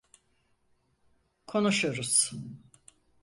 Konuşuruz.